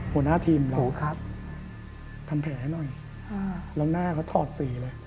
หัวหน้าทีมเราทำแผลให้หน่อยแล้วหน้าเขาถอดสีเลย